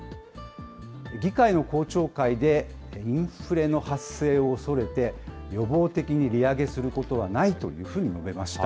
議会の公聴会でインフレの発生を恐れて、予防的に利上げすることはないというふうに述べました。